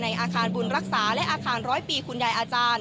อาคารบุญรักษาและอาคารร้อยปีคุณยายอาจารย์